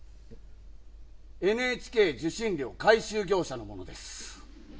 ＮＨＫ受信料回収業者の者です